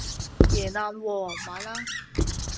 贏硬喎！買啦